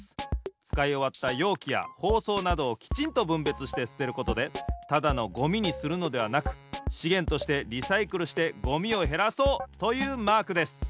つかいおわったようきやほうそうなどをきちんとぶんべつしてすてることでただのゴミにするのではなくしげんとしてリサイクルしてゴミをへらそうというマークです。